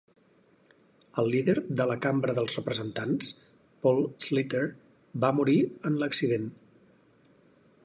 El líder de la Cambra dels Representants, Paul Sliter, va morir en l'accident.